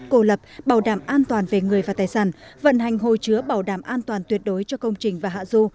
cố lập bảo đảm an toàn về người và tài sản vận hành hồi chứa bảo đảm an toàn tuyệt đối cho công trình và hạ dù